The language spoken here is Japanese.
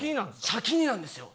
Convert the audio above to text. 先になんですよ。